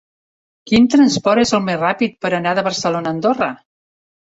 Quin transport és el més ràpid per anar de Barcelona a Andorra?